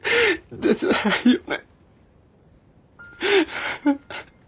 出てないよね。